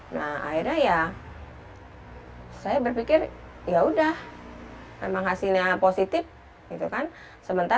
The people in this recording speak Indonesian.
nah akhirnya ya saya berpikir yaudah memang hasilnya positif gitu kan